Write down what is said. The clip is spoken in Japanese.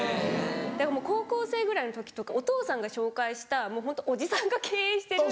高校生ぐらいの時とかお父さんが紹介したもうホントおじさんが経営してる。